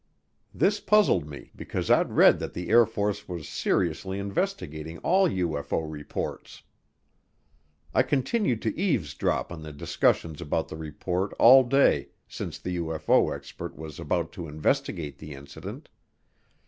This puzzled me because I'd read that the Air Force was seriously investigating all UFO reports. I continued to eavesdrop on the discussions about the report all day since the UFO expert was about to "investigate" the incident.